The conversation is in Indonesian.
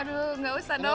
aduh gak usah dong